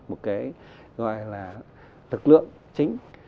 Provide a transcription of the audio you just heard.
một cái gọi là thực lượng chính